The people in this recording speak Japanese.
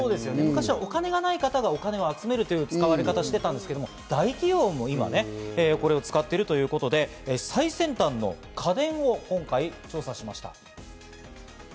昔はお金がない方がお金を集めるというパターンで使われていたんですけれども、今は大企業も使っているということで、最先端の家電を調査しました。